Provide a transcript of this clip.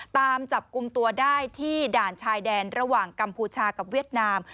ตามจับกลุ่มตัวได้ที่ด่านชายแดนระหว่างกัมพูชากับเวียดนาม